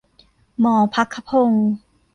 หมอภัคพงศ์